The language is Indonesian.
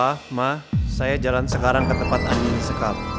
pak ma saya jalan sekarang ke tempat andi disekap